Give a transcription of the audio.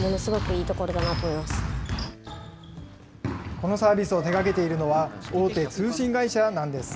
このサービスを手がけているのは、大手通信会社なんです。